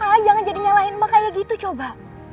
ayah gak jadi nyalahin emak kayak gitu coba